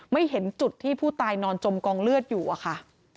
ไม่เห็นจุดที่ผู้ตายนอนจมกองเลือดอยู่อะค่ะ